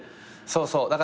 そうそう。